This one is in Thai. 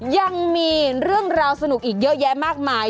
ยังมีเรื่องราวสนุกอีกเยอะแยะมากมาย